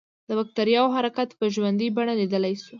د بکټریاوو حرکت په ژوندۍ بڼه لیدلای شو.